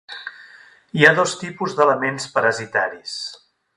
Hi ha dos tipus d'elements parasitaris.